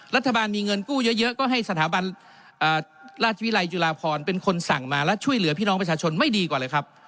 รัฐบาลมีเงินกู้เยอะก็ให้สถาบันราชวิรัยจุฬาพรเป็นคนสั่งมาและช่วยเหลือพี่น้องประชาชนไม่ดีกว่าเลยครับ